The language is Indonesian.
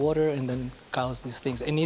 dan bukan hanya untuk perubahan iklim